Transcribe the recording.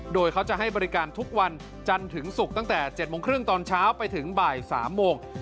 โดยเขาจะให้บริการทุกวันจันทร์ถึงศุกร์ตั้งแต่๗โมงครึ่งตอนเช้าไปถึงบ่าย๓โมง